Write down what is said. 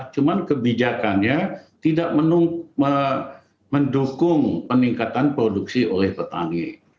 cuma kebijakannya tidak mendukung peningkatan produksi oleh petani